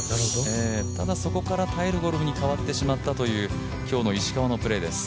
ただ、そこから耐えるゴルフに変わってしまったという今日の石川のプレーです。